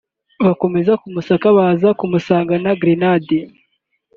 Bakomeje kumusaka baza kumusangana grenade